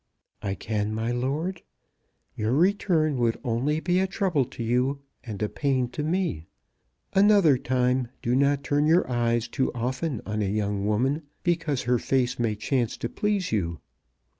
"I can, my lord. Your return would only be a trouble to you, and a pain to me. Another time do not turn your eyes too often on a young woman because her face may chance to please you.